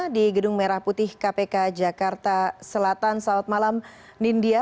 di gedung merah putih kpk jakarta selatan selamat malam nindya